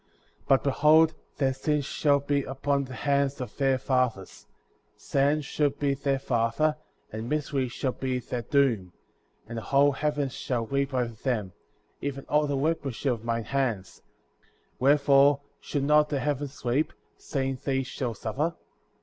37. But behold, their sins shall be upon the heads of their fathers; Satan shall be their father, and misery shall be their doom;^ and the whole heavens shall weep over them, even all the workmanship of mine hands ; wherefore should not the heavens weep,^' seeing these shall suffer?